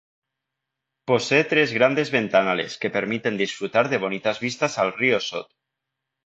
Posee tres grandes ventanales que permiten disfrutar de bonitas vistas al río Sot.